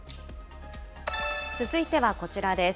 続いてはこちらです。